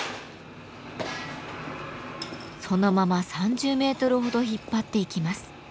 そのまま３０メートルほど引っ張っていきます。